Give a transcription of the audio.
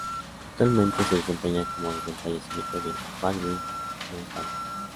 Actualmente se desempeña como desde el fallecimiento de Baldwin Lonsdale.